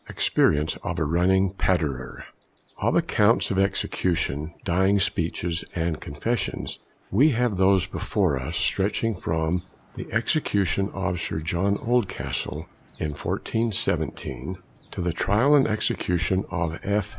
EXPERIENCE OF A RUNNING PATTERER. Of accounts of Public Executions, Dying Speeches, and Confessions we have those before us, stretching from the Execution of Sir John Oldcastle in 1417, to the Trial and Execution of F.